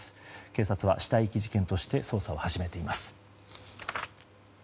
警察は死体遺棄事件として捜査を始めています。